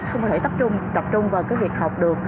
không có thể tập trung vào cái việc học được